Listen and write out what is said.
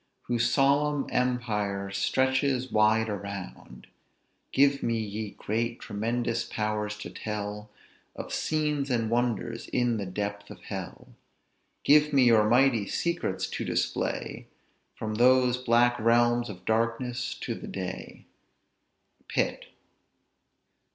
Whose solemn empire stretches wide around; Give me, ye great, tremendous powers, to tell Of scenes and wonders in the depth of hell; Give me your mighty secrets to display From those black realms of darkness to the day." PITT.